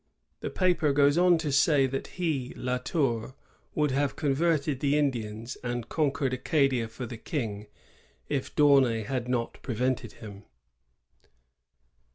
The paper goes on to say that he, La Tour, would have con verted the Indians and conquered Acadia for the King if D'Aunay had not prevented him.